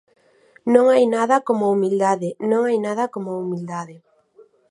Non hai nada como a humildade, non hai nada como a humildade.